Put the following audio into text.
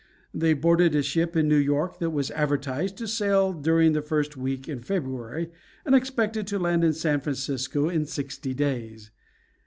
They boarded a ship in New York that was advertised to sail during the first week in February, and expected to land in San Francisco in sixty days.